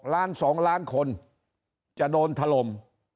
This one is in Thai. ล้าน๒ล้านคนจะโดนถล่ม